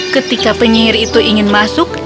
ketika penyihir itu ingin masuk